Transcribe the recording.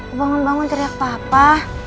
eh bangun bangun ceria papa